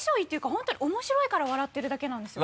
本当に面白いから笑ってるだけなんですよ。